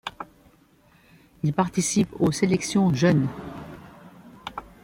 Il participe aux sélections jeunes.